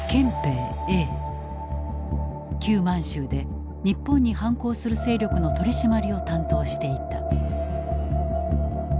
旧満州で日本に反抗する勢力の取締りを担当していた。